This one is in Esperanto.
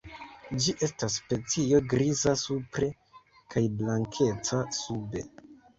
Ĝi estas specio griza supre kaj blankeca sube.